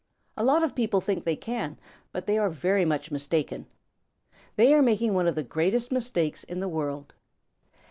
A lot of people think they can, but they are very much mistaken. They are making one of the greatest mistakes in the world.